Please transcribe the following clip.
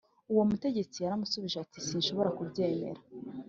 Uwo mutegetsi yaramushubije ati sinshobora kubyemera